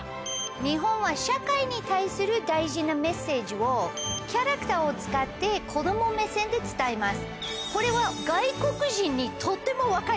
日本は社会に対する大事なメッセージをキャラクターを使って子供目線で伝えます。